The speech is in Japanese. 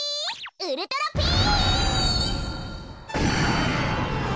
ウルトラピース！